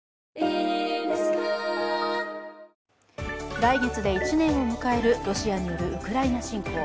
来月で１年を迎えるロシアによるウクライナ侵攻。